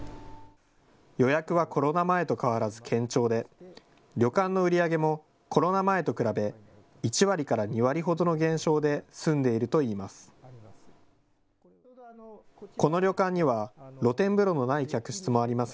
予約はコロナ前と変わらず堅調で旅館の売り上げもコロナ前と比べ１割から２割ほどの減少で済んでいるといいます。